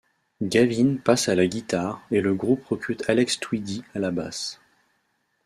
Gavin passe à la guitare, et le groupe recrute Alex Tweedy à la basse.